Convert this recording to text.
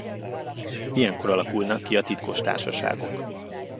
Ilyenkor alakulnak ki a titkos társaságok.